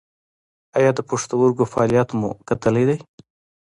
ایا د پښتورګو فعالیت مو کتلی دی؟